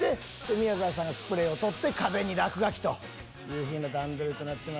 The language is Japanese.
宮沢さんがスプレーを取って壁に落書きという段取りです。